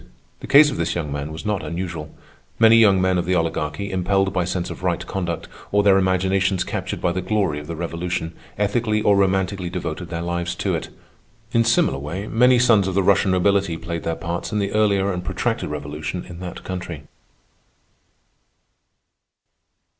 The case of this young man was not unusual. Many young men of the Oligarchy, impelled by sense of right conduct, or their imaginations captured by the glory of the Revolution, ethically or romantically devoted their lives to it. In similar way, many sons of the Russian nobility played their parts in the earlier and protracted revolution in that country.